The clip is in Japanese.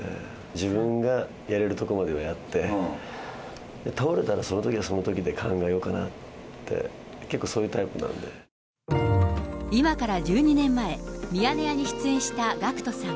自分がやれるところまではやって、倒れたら、そのときはそのときで考えようかなって、今から１２年前、ミヤネ屋に出演したＧＡＣＫＴさん。